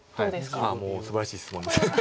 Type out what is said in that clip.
もうすばらしい質問です。